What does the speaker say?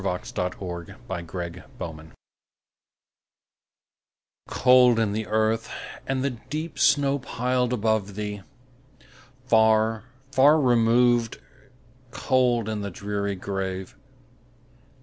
Emily Brontë Remembrance COLD in the earth, and the deep snow piled above thee! Far, far removed, cold in the dreary grave!